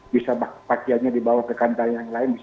bisa pakaiannya dibawa ke kandang yang lain